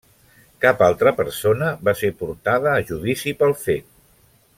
Cap altra persona va ser portada a judici pel fet.